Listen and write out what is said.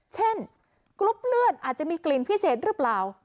กรุ๊ปเลือดอาจจะมีกลิ่นพิเศษหรือเปล่า